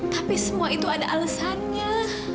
tapi semua itu ada alasannya